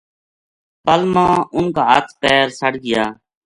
پل ما انھ کا ہتھ پیر سڑ گیا